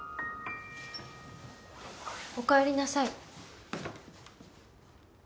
おかえりなさい。